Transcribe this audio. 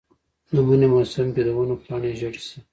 د منې موسم کې د ونو پاڼې ژیړې شي.